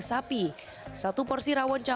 terima kasih carly